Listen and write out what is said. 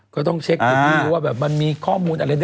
ก็ต้องเช็คว่ามีข้อมูลอะไรด้วย